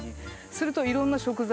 するといろんな食材